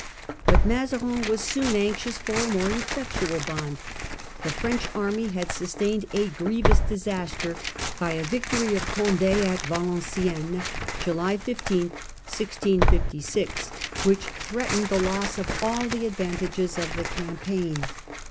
But Mazarin was soon anxious for a more effectual bond. The French army had sustained a grievous dis aster by a victory of Condd at Valenciennes, which threatened the loss of all the advantages of the campaign.